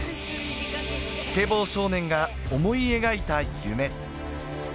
スケボー少年が思い描いた夢。